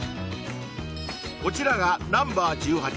こちらがＮｏ．１８